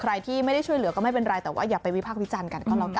ใครที่ไม่ได้ช่วยเหลือก็ไม่เป็นไรแต่ว่าอย่าไปวิพากษ์วิจารณ์กันก็แล้วกัน